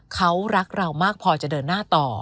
เขารักเรามากพอจะเดินหน้าต่อ